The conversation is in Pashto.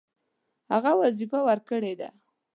هغه وظیفه ورکړې ده.